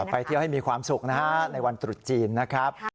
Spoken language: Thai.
ไปเที่ยวให้มีความสุขนะฮะในวันตรุษจีนนะครับ